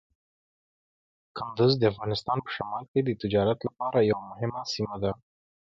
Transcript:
کندز د افغانستان په شمال کې د تجارت لپاره یوه مهمه سیمه ده.